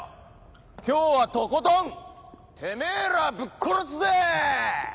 今日はとことんてめぇらぶっ殺すぜ！